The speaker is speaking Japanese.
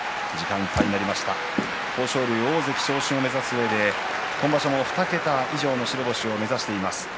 豊昇龍、大関昇進を目指すうえで今場所も２桁以上の白星を目指しています。